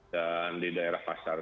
dan di daerah pasar